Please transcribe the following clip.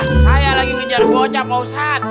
saya lagi ngejar bocah pak ustaz